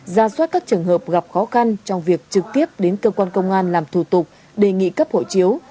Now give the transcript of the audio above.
ra soát các trường hợp gặp khó khăn trong việc trực tiếp đến cơ quan công an làm thủ tục đề nghị cấp hộ chiếu